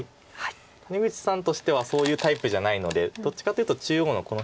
谷口さんとしてはそういうタイプじゃないのでどっちかっていうと中央のこの辺。